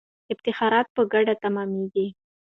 افتخارات په ګټه تمامیږي.